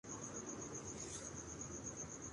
جو ایک انگریز ڈی سی کی تھی۔